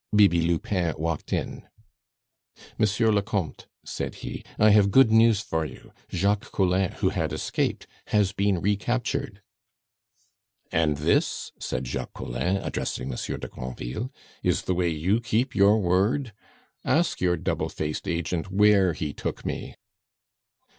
Bibi Lupin walked in. "Monsieur le Comte," said he, "I have good news for you. Jacques Collin, who had escaped, has been recaptured." "And this," said Jacques Collin, addressing Monsieur de Granville, "is the way you keep your word! Ask your double faced agent where he took me."